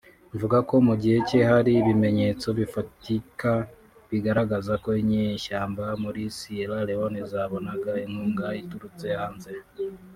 mvuga ko mu gihe cye hari ibimenyetso bifatika bigaragaza ko inyeshyamba muri Sierra Leone zabonaga inkunga iturutse hanze